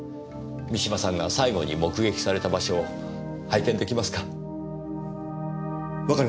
三島さんが最後に目撃された場所を拝見出来ますか？